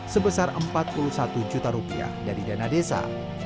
sebesar rp empat puluh satu juta dari dana desa